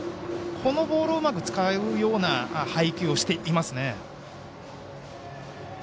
このボールをうまく使うような配球をしていますね。